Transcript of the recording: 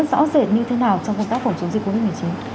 rõ rệt như thế nào trong công tác phòng chống dịch covid một mươi chín